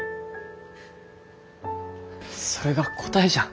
それが答えじゃん。